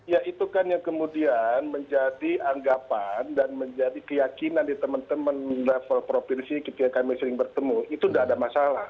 ya itu kan yang kemudian menjadi anggapan dan menjadi keyakinan di teman teman level provinsi ketika kami sering bertemu itu tidak ada masalah